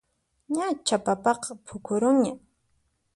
Ñachá papaqa puqurunña